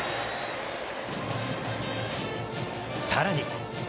さらに。